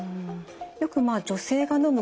よく女性がのむ